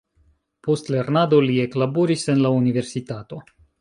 Post lernado li eklaboris en la universitato.